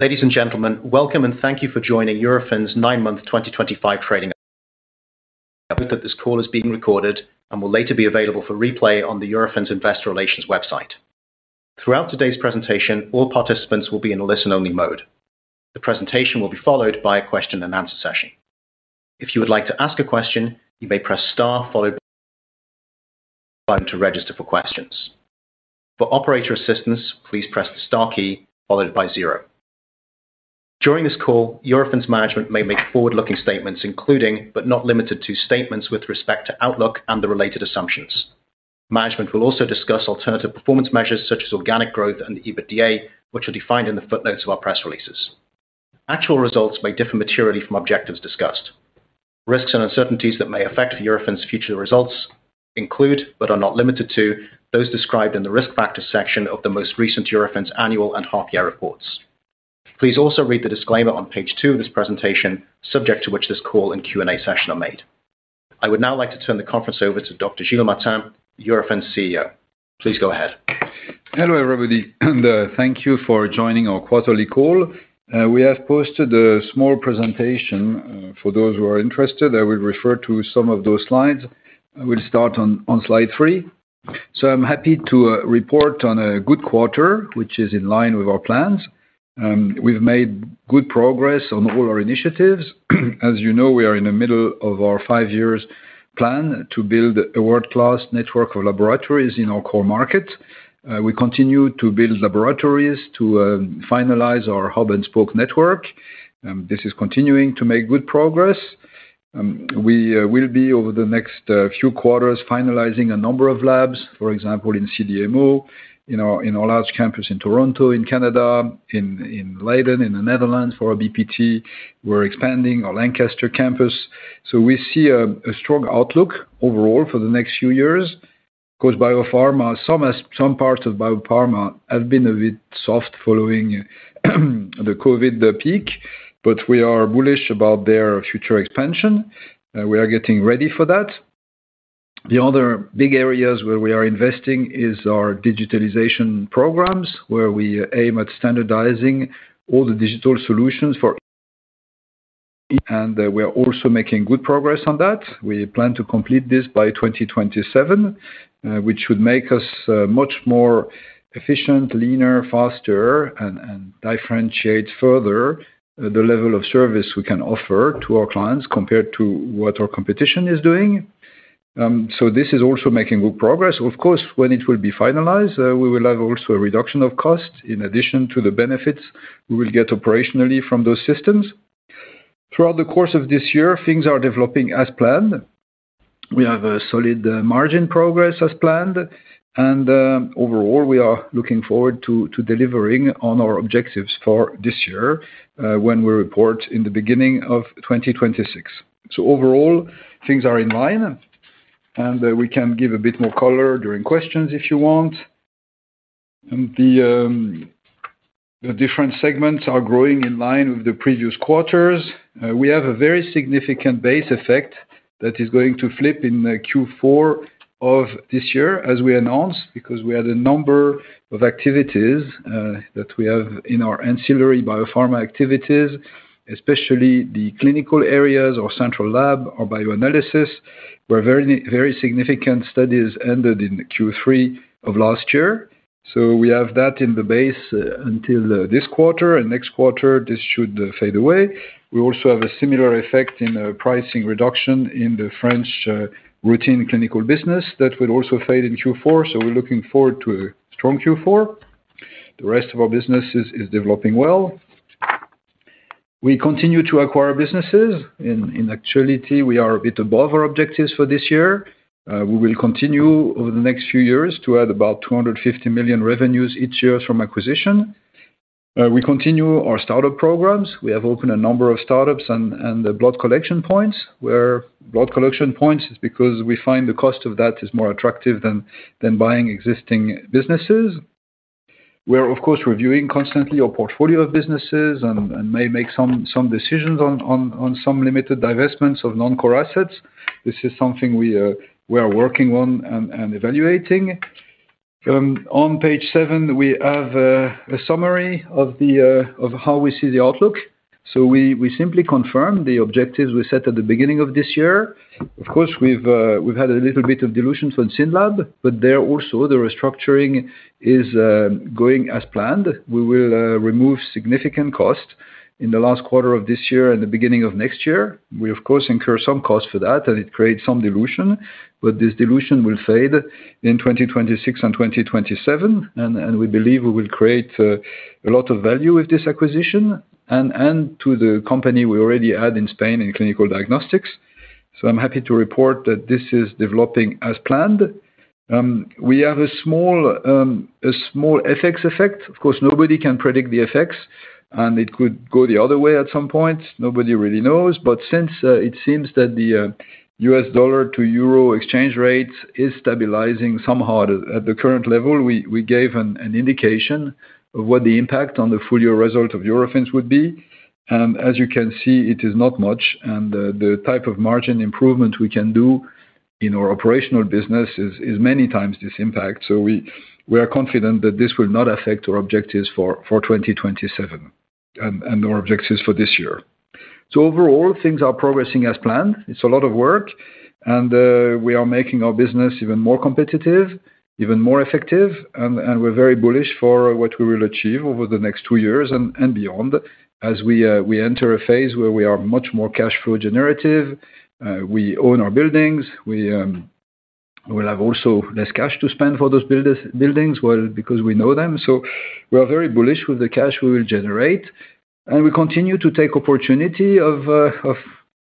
Ladies and gentlemen, welcome and thank you for joining Eurofins's nine-month 2025 trading session. We hope that this call is being recorded and will later be available for replay on the Eurofins Investor Relations website. Throughout today's presentation, all participants will be in a listen-only mode. The presentation will be followed by a question-and-answer session. If you would like to ask a question, you may press star followed by the pound key on your phone to register for questions. For operator assistance, please press the star key followed by zero. During this call, Eurofins management may make forward-looking statements including, but not limited to, statements with respect to outlook and the related assumptions. Management will also discuss alternative performance measures such as organic growth and EBITDA, which are defined in the footnotes of our press releases. Actual results may differ materially from objectives discussed. Risks and uncertainties that may affect Eurofins Scientific SE's future results include, but are not limited to, those described in the risk factors section of the most recent Eurofins annual and half-year reports. Please also read the disclaimer on page two of this presentation, subject to which this call and Q&A session are made. I would now like to turn the conference over to Dr. Gilles Martin, Eurofins CEO. Please go ahead. Hello, everybody. Thank you for joining our quarterly call. We have posted a small presentation for those who are interested. I will refer to some of those slides. We'll start on slide three. I'm happy to report on a good quarter, which is in line with our plans. We've made good progress on all our initiatives. As you know, we are in the middle of our five-year plan to build a world-class network of laboratories in our core market. We continue to build laboratories to finalize our hub-and-spoke network. This is continuing to make good progress. We will be, over the next few quarters, finalizing a number of labs, for example, in CDMO, in our large campus in Toronto, in Canada, in Leiden, in the Netherlands for our BPT. We're expanding our Lancaster campus. We see a strong outlook overall for the next few years. Of course, some parts of BioPharma have been a bit soft following the COVID peak, but we are bullish about their future expansion. We are getting ready for that. The other big areas where we are investing are our digitalization programs, where we aim at standardizing all the digital solutions for. We are also making good progress on that. We plan to complete this by 2027, which would make us much more efficient, leaner, faster, and differentiate further the level of service we can offer to our clients compared to what our competition is doing. This is also making good progress. When it will be finalized, we will have also a reduction of cost in addition to the benefits we will get operationally from those systems. Throughout the course of this year, things are developing as planned. We have a solid margin progress as planned. Overall, we are looking forward to delivering on our objectives for this year when we report in the beginning of 2026. Overall, things are in line. We can give a bit more color during questions if you want. The different segments are growing in line with the previous quarters. We have a very significant base effect that is going to flip in Q4 of this year, as we announced, because we had a number of activities that we have in our ancillary BioPharma activities, especially the clinical areas, our central lab, our bioanalysis, where very significant studies ended in Q3 of last year. We have that in the base until this quarter. Next quarter, this should fade away. We also have a similar effect in pricing reduction in the French routine clinical business that will also fade in Q4. We are looking forward to a strong Q4. The rest of our business is developing well. We continue to acquire businesses. In actuality, we are a bit above our objectives for this year. We will continue over the next few years to add about 250 million revenues each year from acquisition. We continue our startup programs. We have opened a number of startups and blood collection points. Blood collection points is because we find the cost of that is more attractive than buying existing businesses. We are, of course, reviewing constantly our portfolio of businesses and may make some decisions on some limited divestments of non-core assets. This is something we are working on and evaluating. On page seven, we have a summary of how we see the outlook. We simply confirm the objectives we set at the beginning of this year. Of course, we've had a little bit of dilution for the SYNLAB, but there also, the restructuring is going as planned. We will remove significant costs in the last quarter of this year and the beginning of next year. We, of course, incur some costs for that, and it creates some dilution. This dilution will fade in 2026 and 2027. We believe we will create a lot of value with this acquisition and to the company we already had in Spain in clinical diagnostics. I'm happy to report that this is developing as planned. We have a small FX effect. Of course, nobody can predict the FX, and it could go the other way at some point. Nobody really knows. Since it seems that the US dollar-to-euro exchange rate is stabilizing somehow at the current level, we gave an indication of what the impact on the full-year result of Eurofins would be. As you can see, it is not much. The type of margin improvement we can do in our operational business is many times this impact. We are confident that this will not affect our objectives for 2027 and our objectives for this year. Overall, things are progressing as planned. It's a lot of work. We are making our business even more competitive, even more effective. We are very bullish for what we will achieve over the next two years and beyond as we enter a phase where we are much more cash flow generative. We own our buildings. We will have also less cash to spend for those buildings because we know them. We are very bullish with the cash we will generate. We continue to take opportunity of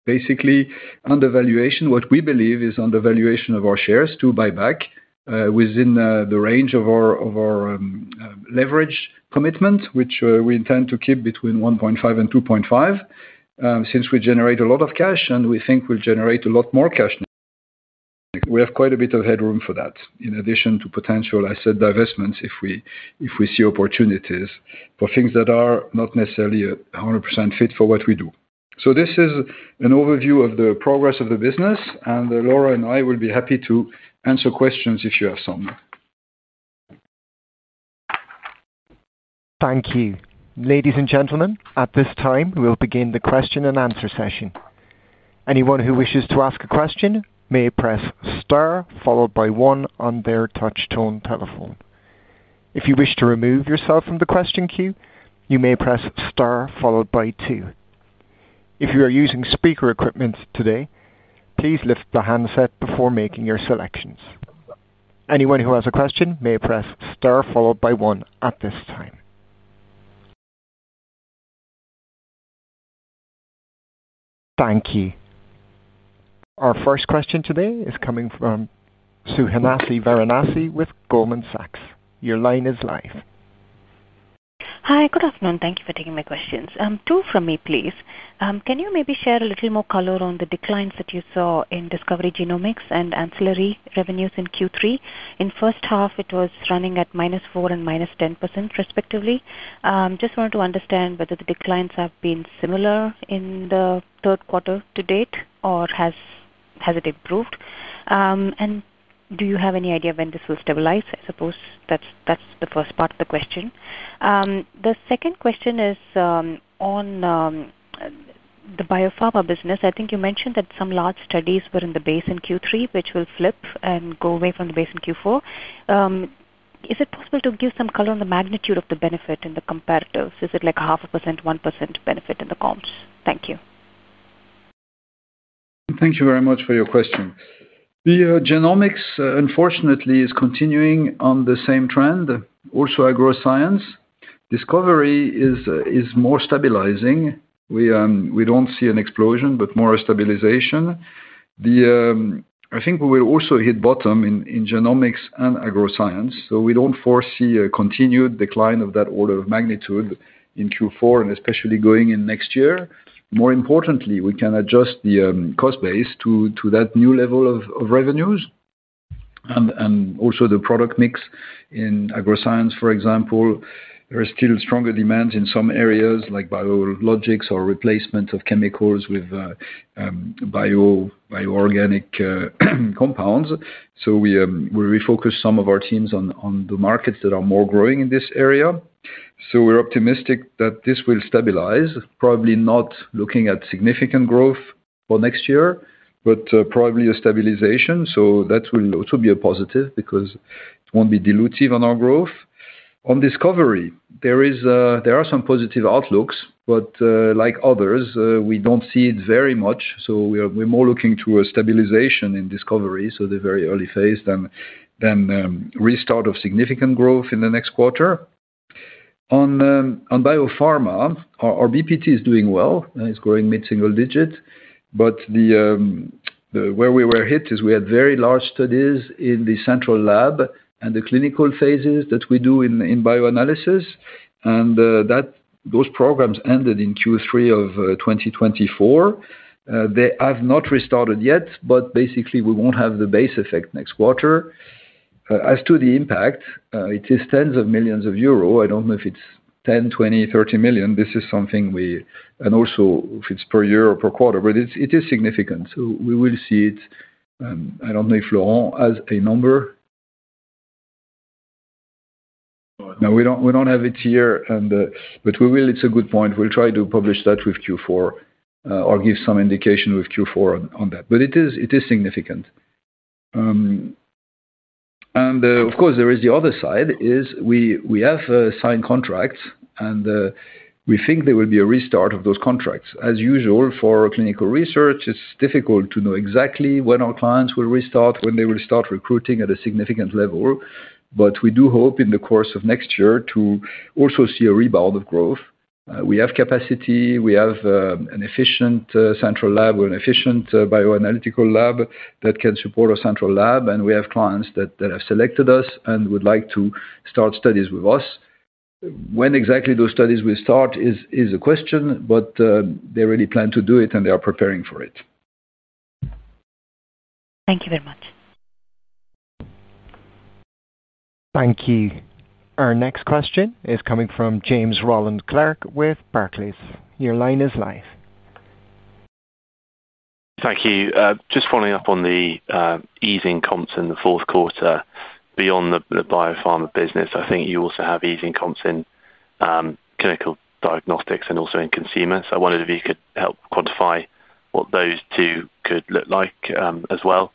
basically undervaluation, what we believe is undervaluation of our shares, to buy back within the range of our leverage commitment, which we intend to keep between 1.5 and 2.5 since we generate a lot of cash and we think we'll generate a lot more cash. We have quite a bit of headroom for that in addition to potential asset divestments if we see opportunities for things that are not necessarily 100% fit for what we do. This is an overview of the progress of the business. Laurent and I will be happy to answer questions if you have some. Thank you. Ladies and gentlemen, at this time, we'll begin the question-and-answer session. Anyone who wishes to ask a question may press star followed by one on their touch-tone telephone. If you wish to remove yourself from the question queue, you may press star followed by two. If you are using speaker equipment today, please lift the handset before making your selections. Anyone who has a question may press star followed by one at this time. Thank you. Our first question today is coming from Suhasini Varanasi with Goldman Sachs. Your line is live. Hi. Good afternoon. Thank you for taking my questions. Two from me, please. Can you maybe share a little more color on the declines that you saw in discovery genomics and ancillary revenues in Q3? In the first half, it was running at -4% and -10%, respectively. I just wanted to understand whether the declines have been similar in the third quarter to date, or has it improved? Do you have any idea when this will stabilize? I suppose that's the first part of the question. The second question is on the BioPharma business. I think you mentioned that some large studies were in the base in Q3, which will flip and go away from the base in Q4. Is it possible to give some color on the magnitude of the benefit in the comparatives? Is it like a half a percent, 1% benefit in the comps? Thank you. Thank you very much for your question. The genomics, unfortunately, is continuing on the same trend. Also, agroscience. Discovery is more stabilizing. We don't see an explosion, but more a stabilization. I think we will also hit bottom in genomics and agroscience. We don't foresee a continued decline of that order of magnitude in Q4 and especially going in next year. More importantly, we can adjust the cost base to that new level of revenues. Also, the product mix in agro science, for example, there is still stronger demand in some areas like biologics or replacement of chemicals with bioorganic compounds. We refocus some of our teams on the markets that are more growing in this area. We're optimistic that this will stabilize, probably not looking at significant growth for next year, but probably a stabilization. That will also be a positive because it won't be dilutive on our growth. On discovery, there are some positive outlooks, but like others, we don't see it very much. We're more looking to a stabilization in discovery, so the very early phase, than a restart of significant growth in the next quarter. On BioPharma, our BPT is doing well. It's growing mid-single digit. Where we were hit is we had very large studies in the central lab and the clinical phases that we do in bioanalysis. Those programs ended in Q3 of 2024. They have not restarted yet, but basically, we won't have the base effect next quarter. As to the impact, it is tens of millions of euros. I don't know if it's 10 million, 20 million, 30 million. This is something we, and also if it's per year or per quarter, but it is significant. We will see it. I don't know if Laurent has a number. No, we don't have it here, but we will. It's a good point. We'll try to publish that with Q4 or give some indication with Q4 on that. It is significant. Of course, there is the other side. We have signed contracts, and we think there will be a restart of those contracts. As usual, for clinical research, it's difficult to know exactly when our clients will restart, when they will start recruiting at a significant level. We do hope in the course of next year to also see a rebound of growth. We have capacity. We have an efficient central lab or an efficient bioanalytical lab that can support our central lab. We have clients that have selected us and would like to start studies with us. When exactly those studies will start is a question, but they really plan to do it, and they are preparing for it. Thank you very much. Thank you. Our next question is coming from James Rowland Clark with Barclays. Your line is live. Thank you. Just following up on the easing comps in the fourth quarter, beyond the BioPharma Product Testing business, I think you also have easing comps in clinical diagnostics and also in consumer and technologies services. I wondered if you could help quantify what those two could look like as well.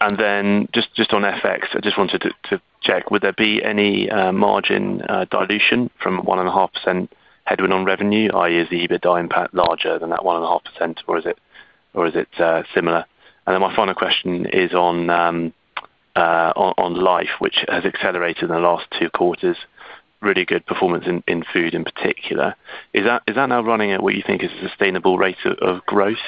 On FX, I just wanted to check, would there be any margin dilution from 1.5% headwind on revenue, i.e., is the EBITDA impact larger than that 1.5%, or is it similar? My final question is on Life, which has accelerated in the last two quarters, really good performance in food in particular. Is that now running at what you think is a sustainable rate of growth,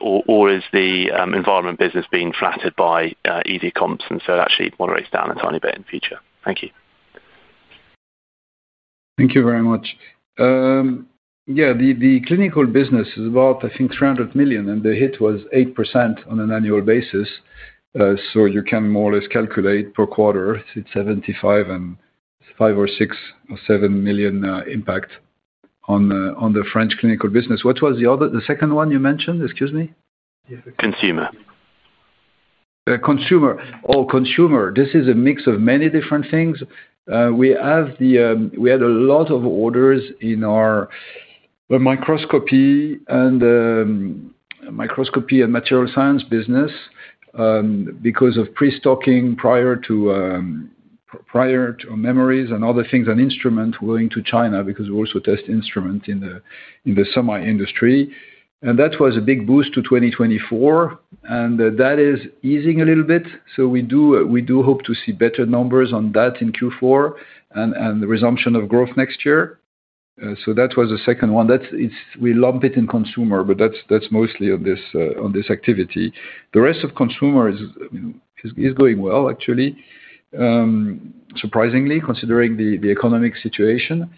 or is the environment business being flattered by easier comps and so it actually moderates down a tiny bit in the future? Thank you. Thank you very much. The clinical business is about, I think, 300 million, and the hit was 8% on an annual basis. You can more or less calculate per quarter, it's 75 million and 5 or 6 or 7 million impact on the French clinical business. What was the second one you mentioned? Excuse me. Consumer. Consumer. Oh, consumer. This is a mix of many different things. We had a lot of orders in our microscopy and material science business because of pre-stocking prior to memories and other things and instruments going to China because we also test instruments in the semi-industry. That was a big boost to 2024, and that is easing a little bit. We do hope to see better numbers on that in Q4 and the resumption of growth next year. That was the second one. We lump it in consumer, but that's mostly on this activity. The rest of consumer is going well, actually, surprisingly, considering the economic situation.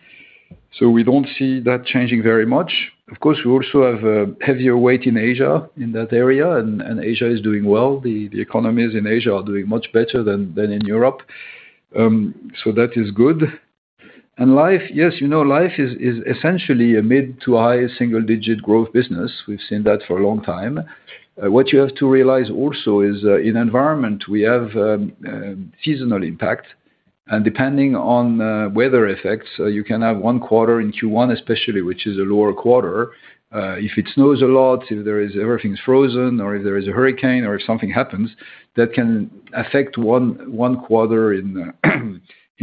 We don't see that changing very much. Of course, we also have a heavier weight in Asia in that area, and Asia is doing well. The economies in Asia are doing much better than in Europe. That is good. Life, yes, you know Life is essentially a mid to high single-digit growth business. We've seen that for a long time. What you have to realize also is in the environment, we have seasonal impact. Depending on weather effects, you can have one quarter in Q1, especially, which is a lower quarter. If it snows a lot, if everything's frozen, or if there is a hurricane, or if something happens, that can affect one quarter in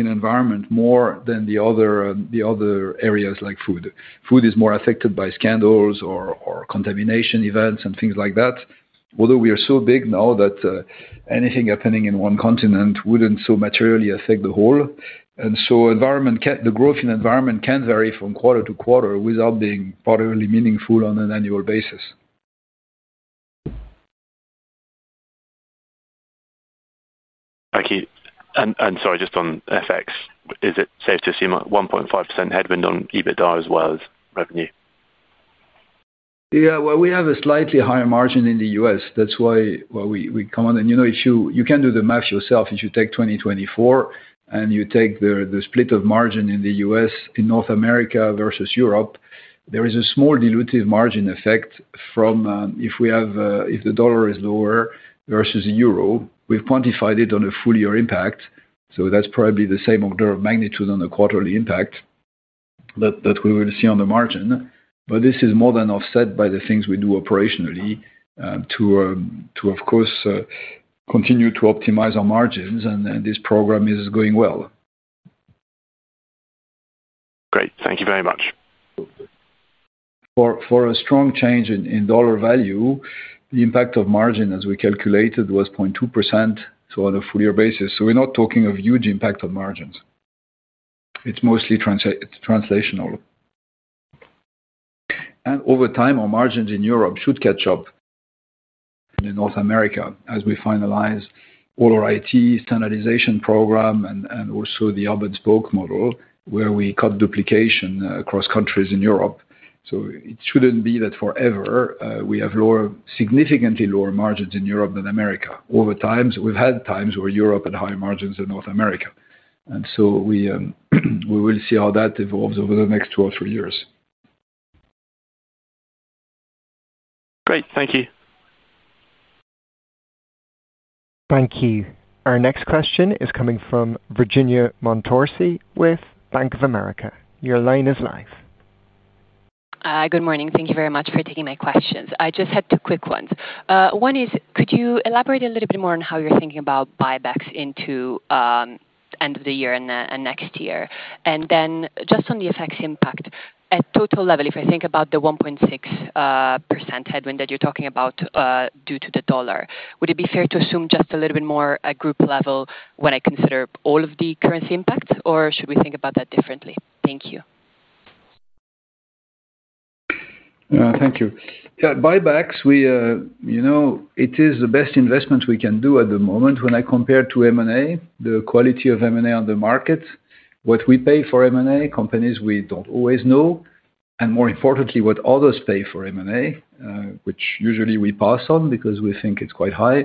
the environment more than the other areas, like food. Food is more affected by scandals or contamination events and things like that. Although we are so big now that anything happening in one continent wouldn't so materially affect the whole. The growth in the environment can vary from quarter to quarter without being partly meaningful on an annual basis. Thank you. Sorry, just on FX, is it safe to assume a 1.5% headwind on EBITDA as well as revenue? Yeah. We have a slightly higher margin in the U.S. That's why we come on. You know if you can do the math yourself, if you take 2024 and you take the split of margin in the U.S. in North America versus Europe, there is a small dilutive margin effect from if the dollar is lower versus the euro. We've quantified it on a full-year impact. That's probably the same order of magnitude on the quarterly impact that we will see on the margin. This is more than offset by the things we do operationally to, of course, continue to optimize our margins. This program is going well. Great, thank you very much. For a strong change in dollar value, the impact of margin, as we calculated, was 0.2% on a full-year basis. We're not talking of huge impact of margins. It's mostly translational. Over time, our margins in Europe should catch up in North America as we finalize all our IT standardization program and also the hub-and-spoke model where we cut duplication across countries in Europe. It shouldn't be that forever we have significantly lower margins in Europe than America. Over time, we've had times where Europe had high margins in North America. We will see how that evolves over the next two or three years. Great. Thank you. Thank you. Our next question is coming from Virginia Montorsi with Bank of America. Your line is live. Hi. Good morning. Thank you very much for taking my questions. I just had two quick ones. One is, could you elaborate a little bit more on how you're thinking about buybacks into the end of the year and next year? Just on the FX impact, at total level, if I think about the 1.6% headwind that you're talking about due to the dollar, would it be fair to assume just a little bit more at group level when I consider all of the currency impacts, or should we think about that differently? Thank you. Thank you. Yeah. Buybacks, we, you know, it is the best investments we can do at the moment when I compare to M&A, the quality of M&A on the market, what we pay for M&A, companies we don't always know, and more importantly, what others pay for M&A, which usually we pass on because we think it's quite high.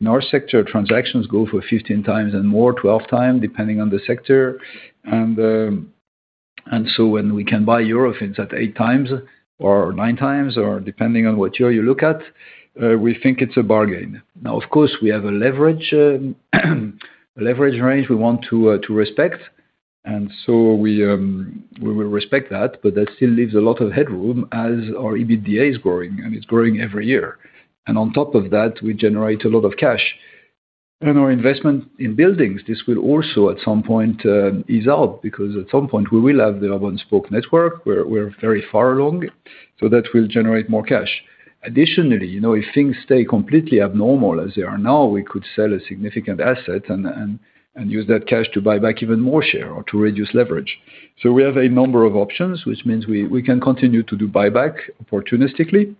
In our sector, transactions go for 15x and more, 12x, depending on the sector. When we can buy Eurofins at 8x or 9x, or depending on what year you look at, we think it's a bargain. Of course, we have a leverage range we want to respect. We will respect that. That still leaves a lot of headroom as our EBITDA is growing, and it's growing every year. On top of that, we generate a lot of cash. Our investment in buildings, this will also at some point ease out because at some point, we will have the hub-and-spoke network where we're very far along. That will generate more cash. Additionally, you know if things stay completely abnormal as they are now, we could sell a significant asset and use that cash to buy back even more share or to reduce leverage. We have a number of options, which means we can continue to do buyback opportunistically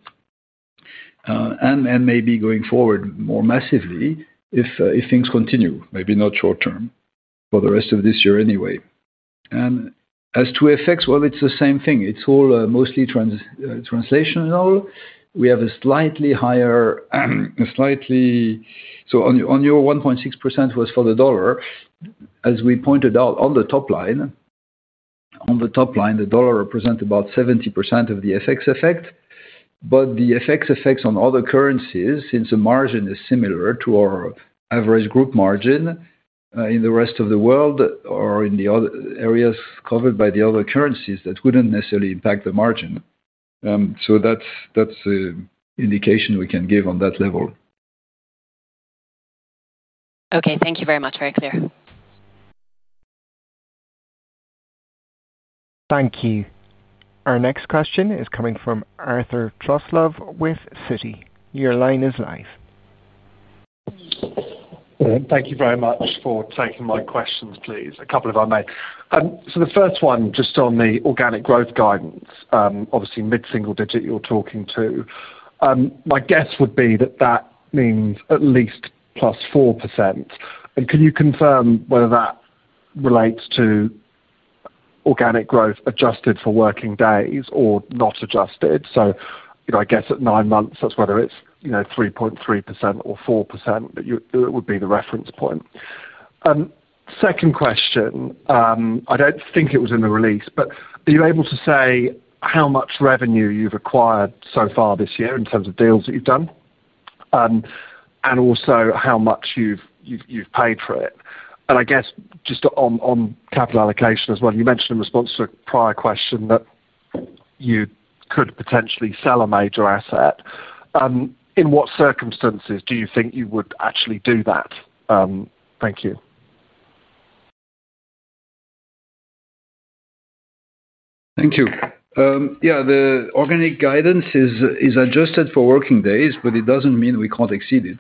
and maybe going forward more massively if things continue, maybe not short term, for the rest of this year anyway. As to FX, it's the same thing. It's all mostly translational. We have a slightly higher, so on your 1.6% was for the dollar. As we pointed out on the top line, on the top line, the dollar represents about 70% of the FX effect. The FX effects on other currencies, since the margin is similar to our average group margin in the rest of the world or in the areas covered by the other currencies, that wouldn't necessarily impact the margin. That's the indication we can give on that level. Okay, thank you very much. Very clear. Thank you. Our next question is coming from Arthur Truslove with Citi. Your line is live. Thank you very much for taking my questions, please. A couple if I may. The first one, just on the organic growth guidance, obviously, mid-single digit you're talking to. My guess would be that that means at least +4%. Can you confirm whether that relates to organic growth adjusted for working days or not adjusted? I guess at nine months, that's whether it's 3.3% or 4% that would be the reference point. Second question, I don't think it was in the release, but are you able to say how much revenue you've acquired so far this year in terms of deals that you've done and also how much you've paid for it? I guess just on capital allocation as well, you mentioned in response to a prior question that you could potentially sell a major asset. In what circumstances do you think you would actually do that? Thank you. Thank you. Yeah. The organic growth guidance is adjusted for working days, but it doesn't mean we can't exceed it.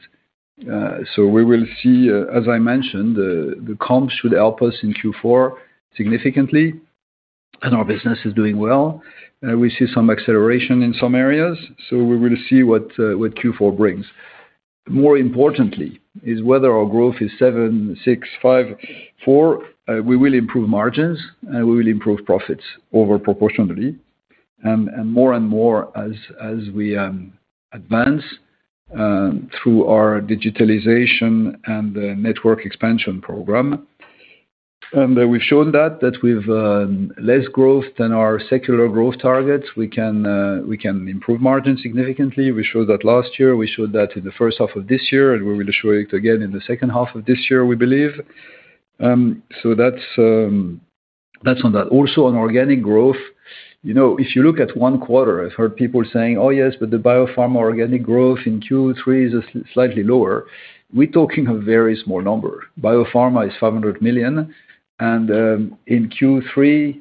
We will see, as I mentioned, the comps should help us in Q4 significantly. Our business is doing well. We see some acceleration in some areas. We will see what Q4 brings. More importantly, whether our growth is 7%, 6%, 5%, 4%, we will improve margins, and we will improve profits overproportionately. More and more as we advance through our digitalization and network expansion program. We've shown that with less growth than our secular growth targets, we can improve margins significantly. We showed that last year. We showed that in the first half of this year. We will show it again in the second half of this year, we believe. That's on that. Also, on organic growth, if you look at one quarter, I've heard people saying, "Oh, yes, but the BioPharma organic growth in Q3 is slightly lower." We're talking a very small number. BioPharma is 500 million. In Q3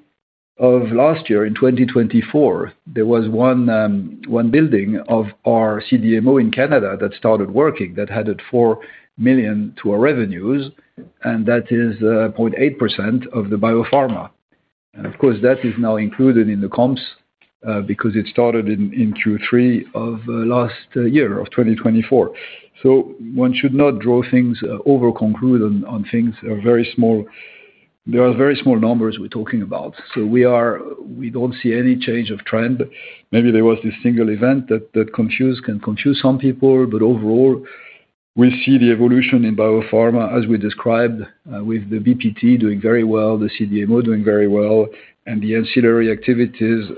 of last year, in 2024, there was one building of our CDMO in Canada that started working that added 4 million to our revenues. That is 0.8% of the BioPharma. Of course, that is now included in the comps because it started in Q3 of last year, of 2024. One should not draw things over, conclude on things that are very small. There are very small numbers we're talking about. We don't see any change of trend. Maybe there was this single event that can confuse some people. Overall, we see the evolution in BioPharma as we described with the BioPharma Product Testing doing very well, the CDMO doing very well, and the ancillary activities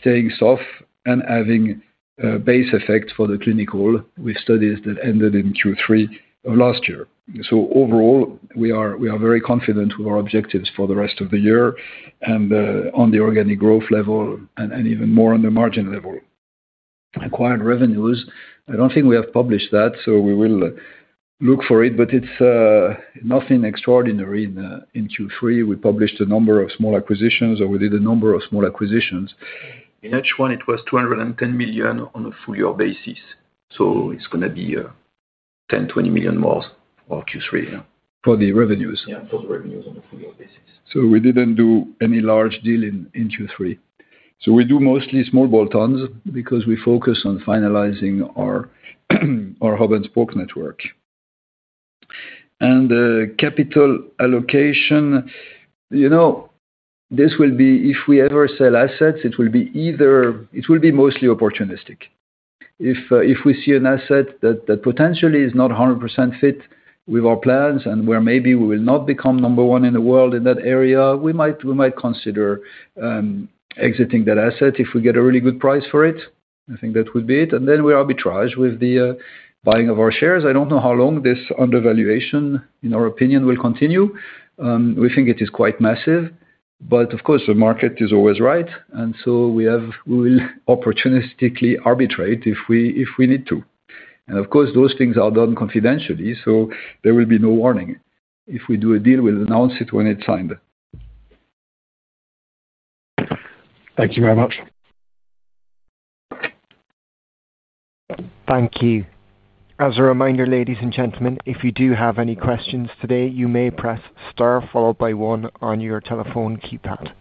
staying soft and having a base effect for the clinical with studies that ended in Q3 of last year. Overall, we are very confident with our objectives for the rest of the year and on the organic growth level and even more on the margin level. Acquired revenues, I don't think we have published that. We will look for it. It's nothing extraordinary in Q3. We published a number of small acquisitions or we did a number of small acquisitions. In each one, it was 210 million on a full-year basis. It's going to be 10 million, 20 million more for Q3. For the revenues. Yeah, for the revenues on a full-year basis. We didn't do any large deal in Q3. We do mostly small bolt-ons because we focus on finalizing our hub-and-spoke network. The capital allocation, you know, this will be, if we ever sell assets, it will be mostly opportunistic. If we see an asset that potentially is not 100% fit with our plans and where maybe we will not become number one in the world in that area, we might consider exiting that asset if we get a really good price for it. I think that would be it. We arbitrage with the buying of our shares. I don't know how long this undervaluation, in our opinion, will continue. We think it is quite massive. Of course, the market is always right. We will opportunistically arbitrate if we need to. Of course, those things are done confidentially. There will be no warning. If we do a deal, we'll announce it when it's signed. Thank you very much. Thank you. As a reminder, ladies and gentlemen, if you do have any questions today, you may press star followed by one on your telephone keypad.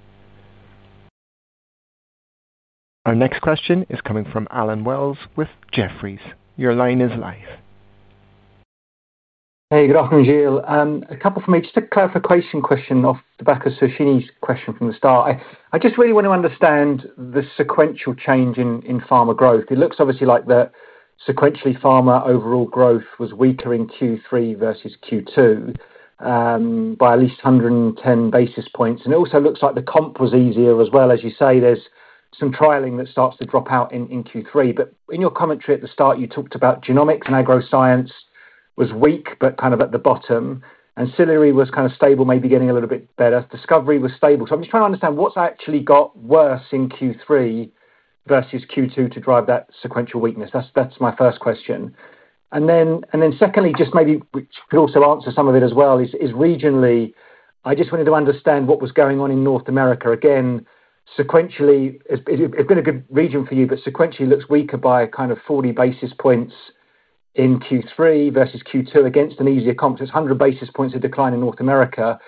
Our next question is coming from Allen Wells with Jefferies. Your line is live. Hey. Good afternoon, Gilles. A couple for me, just a clarification question off Suhasini's question from the start. I just really want to understand the sequential change in pharma growth. It looks obviously like sequentially pharma overall growth was weaker in Q3 versus Q2 by at least 110 basis points. It also looks like the comp was easier as well. As you say, there's some trialing that starts to drop out in Q3. In your commentary at the start, you talked about genomics and agroscience was weak but kind of at the bottom. Ancillary was kind of stable, maybe getting a little bit better. Discovery was stable. I'm just trying to understand what's actually got worse in Q3 versus Q2 to drive that sequential weakness. That's my first question. Secondly, just maybe which could also answer some of it as well, is regionally, I just wanted to understand what was going on in North America. Again, sequentially, it's been a good region for you, but sequentially looks weaker by a kind of 40 basis points in Q3 versus Q2 against an easier comp. It's 100 basis points of decline in North America.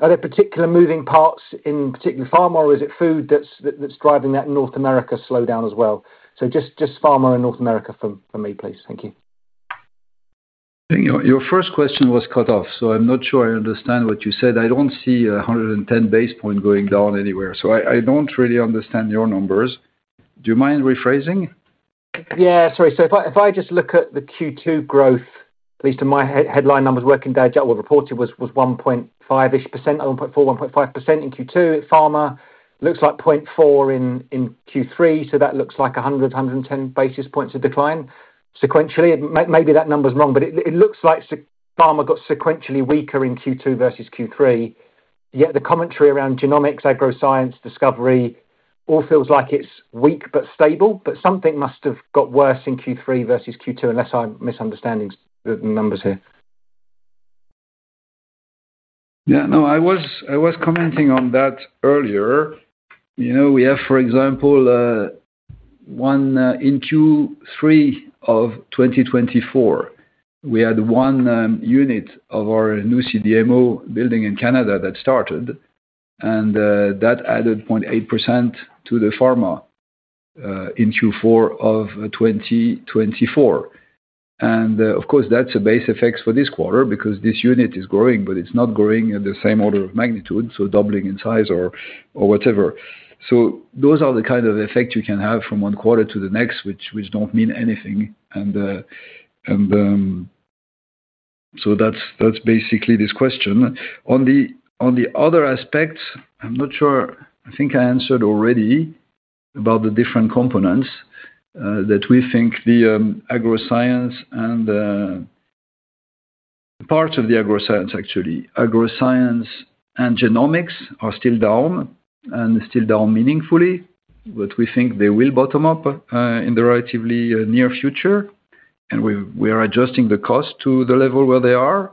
Are there particular moving parts in particular pharma, or is it food that's driving that North America slowdown as well? Just pharma in North America for me, please. Thank you. Your first question was cut off. I'm not sure I understand what you said. I don't see a 110 basis point going down anywhere. I don't really understand your numbers. Do you mind rephrasing? Yeah, sorry. If I just look at the Q2 growth, at least in my headline numbers, working day job reported was 1.5% ish, 1.4%, 1.5% in Q2. Pharma looks like 0.4% in Q3. That looks like 100, 110 basis points of decline. Sequentially, maybe that number's wrong, but it looks like pharma got sequentially weaker in Q2 versus Q3. Yet the commentary around genomics, agro science, discovery all feels like it's weak but stable. Something must have got worse in Q3 versus Q2, unless I'm misunderstanding the numbers here. Yeah. No, I was commenting on that earlier. You know we have, for example, in Q3 of 2024, we had one unit of our new CDMO building in Canada that started. That added 0.8% to the pharma in Q4 of 2024. Of course, that's a base effect for this quarter because this unit is growing, but it's not growing at the same order of magnitude, so doubling in size or whatever. Those are the kind of effects you can have from one quarter to the next, which don't mean anything. That's basically this question. On the other aspects, I'm not sure. I think I answered already about the different components that we think, the agroscience and part of the agroscience, actually. Agroscience and genomics are still down and still down meaningfully, but we think they will bottom up in the relatively near future. We are adjusting the cost to the level where they are,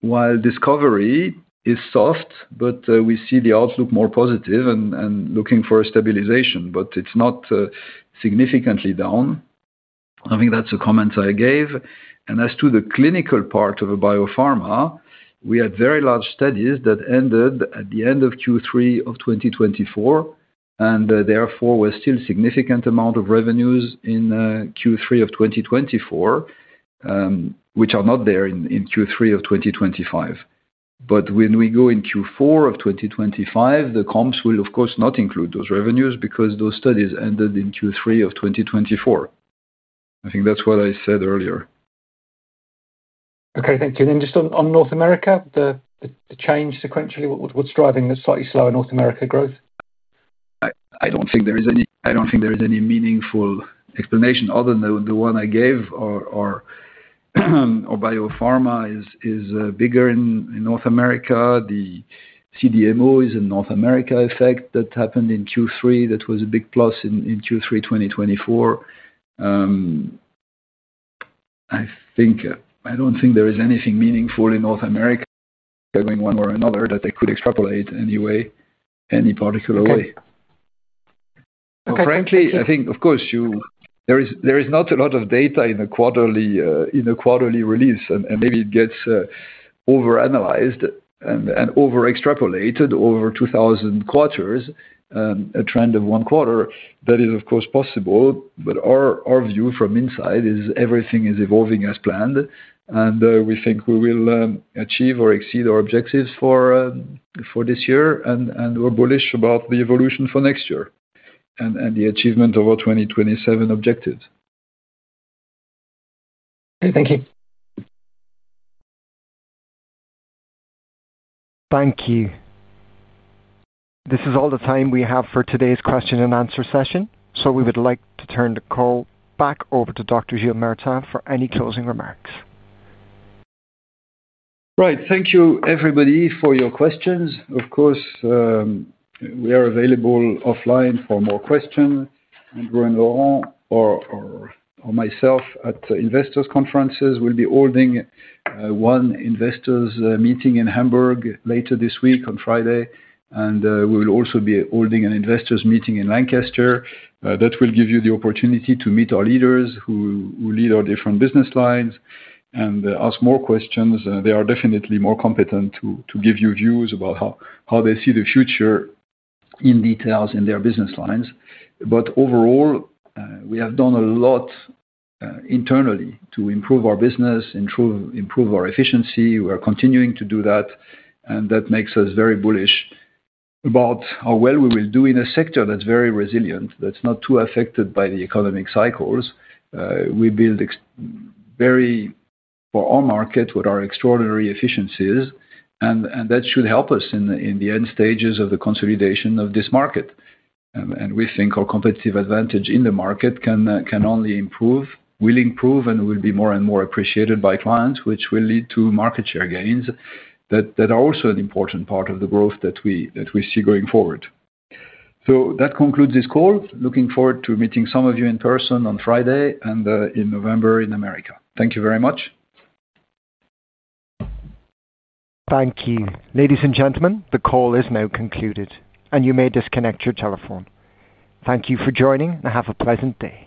while discovery is soft, but we see the outlook more positive and looking for a stabilization. It's not significantly down. I think that's the comments I gave. As to the clinical part of BioPharma, we had very large studies that ended at the end of Q3 of 2024. Therefore, we had still a significant amount of revenues in Q3 of 2024, which are not there in Q3 of 2025. When we go in Q4 of 2025, the comps will, of course, not include those revenues because those studies ended in Q3 of 2024. I think that's what I said earlier. Thank you. Just on North America, the change sequentially, what's driving the slightly slower North America growth? I don't think there is any meaningful explanation other than the one I gave, or BioPharma is bigger in North America. The CDMO is a North America effect that happened in Q3. That was a big plus in Q3 2024. I don't think there is anything meaningful in North America going one way or another that I could extrapolate anyway, any particular way. Frankly, I think, of course, there is not a lot of data in a quarterly release. Maybe it gets overanalyzed and over-extrapolated over 2,000 quarters, a trend of one quarter. That is, of course, possible. Our view from inside is everything is evolving as planned. We think we will achieve or exceed our objectives for this year. We're bullish about the evolution for next year and the achievement of our 2027 objectives. Okay, thank you. Thank you. This is all the time we have for today's question-and-answer session. We would like to turn the call back over to Dr. Gilles Martin for any closing remarks. Right. Thank you, everybody, for your questions. Of course, we are available offline for more questions. Laurent or myself at investors' conferences will be holding one investors' meeting in Hamburg later this week on Friday. We will also be holding an investors' meeting in Lancaster. That will give you the opportunity to meet our leaders who lead our different business lines and ask more questions. They are definitely more competent to give you views about how they see the future in details in their business lines. Overall, we have done a lot internally to improve our business, improve our efficiency. We are continuing to do that. That makes us very bullish about how well we will do in a sector that's very resilient, that's not too affected by the economic cycles. We build very, for our market, what are extraordinary efficiencies. That should help us in the end stages of the consolidation of this market. We think our competitive advantage in the market can only improve, will improve, and will be more and more appreciated by clients, which will lead to market share gains that are also an important part of the growth that we see going forward. That concludes this call. Looking forward to meeting some of you in person on Friday and in November in America. Thank you very much. Thank you. Ladies and gentlemen, the call is now concluded. You may disconnect your telephone. Thank you for joining and have a pleasant day.